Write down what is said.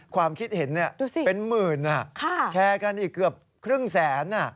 ความคิดเห็นเป็นหมื่นแชร์กันอีกเกือบครึ่งแสน